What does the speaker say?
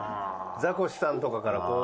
ザコシさんとかからこう。